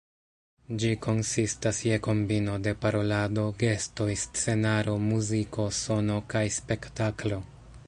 Ĝi konsistas je kombino de parolado, gestoj, scenaro, muziko, sono kaj spektaklo.